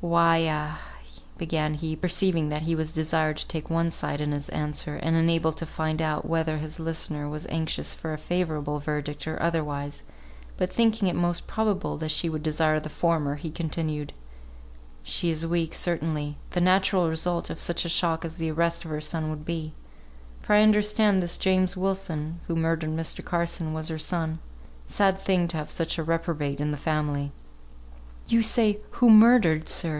"Why a," began he, perceiving that he was desired to take one side in his answer, and unable to find out whether his listener was anxious for a favourable verdict or otherwise; but thinking it most probable that she would desire the former, he continued, "She is weak, certainly; the natural result of such a shock as the arrest of her son would be, for I understand this James Wilson, who murdered Mr. Carson, was her son. Sad thing to have such a reprobate in the family." "You say 'who murdered,' sir!"